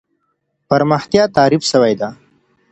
پرمختيا تعريف سوې ده.